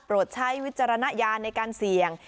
ใช้วิจารณญาณในการเสี่ยง